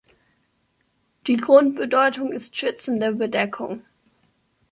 Die Grundbedeutung ist „schützende Bedeckung“.